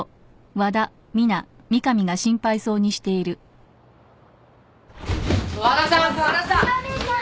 和田さん！